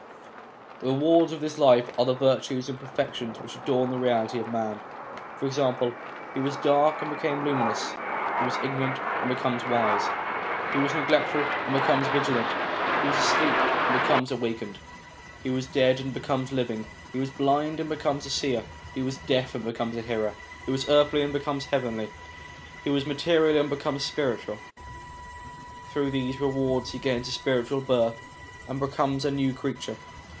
The rewards of this life are the virtues and perfec tions which adorn the reality of man. For example, he was dark and becomes luminous, he was ignorant and becomes wise, he was neglectful and becomes vigilant, he was asleep and becomes awakened, he was dead and becomes living, he was blind and becomes a seer, he was deaf and becomes a hearer, he was earthly and becomes heavenly, he was material and becomes 1 Cf. ' The Difference between Man and the Animal,' page 215. 259 260 SOME ANSWERED QUESTIONS spiritual. Through these rewards he gains spiritual birth, and becomes a new creature.